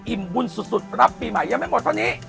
บุญสุดรับปีใหม่ยังไม่หมดเท่านี้